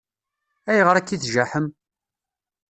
Ayɣer akka i tjaḥem?